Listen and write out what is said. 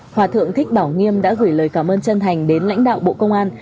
hòa thượng thích bảo nghiêm đã gửi lời cảm ơn chân thành đến lãnh đạo bộ công an